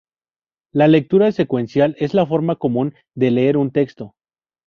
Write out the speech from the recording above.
La lectura secuencial es la forma común de leer un texto.